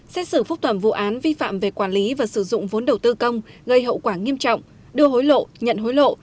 xét xử phúc tỏm vụ án vi phạm về quản lý và sử dụng vốn đầu tư công gây hậu quả nghiêm trọng đưa hối lộ nhận hối lộ